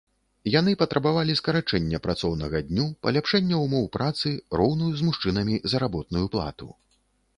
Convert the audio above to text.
Яны патрабавалі скарачэння працоўнага дню, паляпшэння ўмоў працы, роўную з мужчынамі заработную плату.